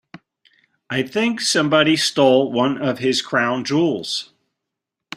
I think somebody stole one of his crown jewels.